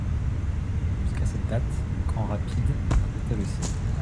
Jusqu’à cette date, Grand Rapids abritait le siège.